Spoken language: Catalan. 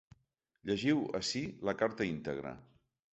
Llegiu ací la carta íntegra.